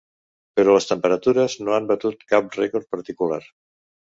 Però les temperatures no han batut cap rècord particular.